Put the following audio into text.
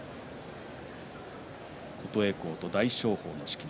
琴恵光と大翔鵬の仕切り。